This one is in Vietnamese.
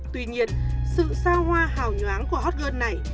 tuy nhiên sự sao hoa hào nhoáng của hot girl này